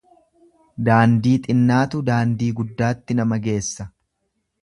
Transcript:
Daandii xinnaatu daandii guddaatti nama geessa.